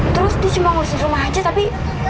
terus dia cuma ngurusin rumah aja tapi